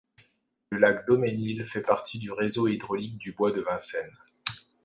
Le lac Daumesnil fait partie du réseau hydraulique du bois de Vincennes.